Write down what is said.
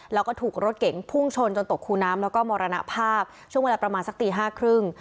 แล้วก็ถูกรถเก๋งพุ่งชนจนตกคูน้ำแล้วก็มรณภาพช่วงเวลาประมาณสักตีห้าครึ่ง